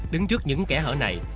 đứng trước những kẻ hở này